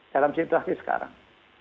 dalam situasi sekarang